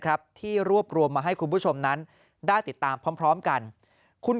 ครับที่รวบรวมมาให้คุณผู้ชมนั้นได้ติดตามพร้อมกันคุณ